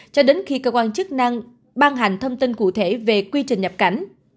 cho đến khi cơ quan chức năng ban hành thông tin cụ thể về quy trình nhập cảnh